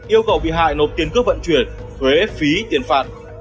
yêu cầu bị hại nộp tiền cước vận chuyển thuế phí tiền phạt